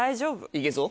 いけそう？